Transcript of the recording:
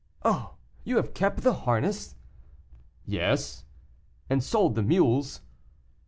"Oh! you have kept the harness?" "Yes." "And sold the mules?"